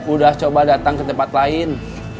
udah coba datang ke tempat lain